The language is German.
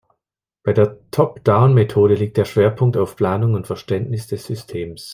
Bei der Top-Down-Methode liegt der Schwerpunkt auf Planung und Verständnis des Systems.